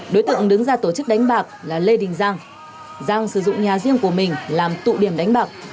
đối tượng đứng ra tổ chức đánh bạc là lê đình giang giang sử dụng nhà riêng của mình làm tụ điểm đánh bạc